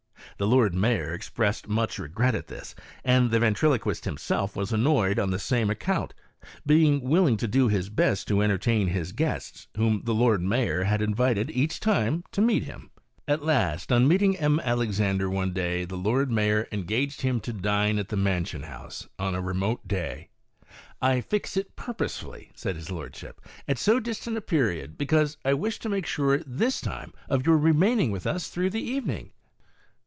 The Lord Mayor expressed much re gret at this, and the ventriloquist himself was annoyed on the same account, being willing to do his best to entertain his guests, whom the Lord Mayor had invited each time to meet him. At last, on meeting M. Alexandre one day, the Lord Mayor engaged him to dine at the Mansion House on a remote day. " I fix it purposely," said his lordship, "at so distant a period, be cause I wish to make sure this time of your remaining with us through the evening."